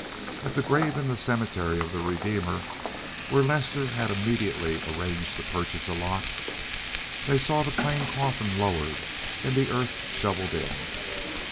At the grave in the Cemetery of the Redeemer, where Lester had immediately arranged to purchase a lot, they saw the plain coffin lowered and the earth shoveled in.